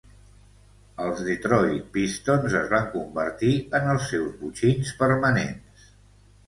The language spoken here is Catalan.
Els Detroit Pistons es van convertir en els seus botxins permanents.